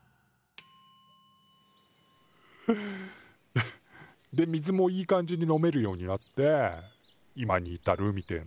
フッで水もいい感じに飲めるようになって今に至るみてえな。